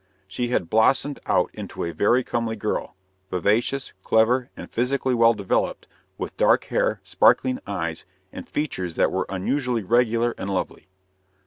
She had blossomed out into a very comely girl, vivacious, clever, and physically well developed, with dark hair, sparkling eyes, and features that were unusually regular and lovely.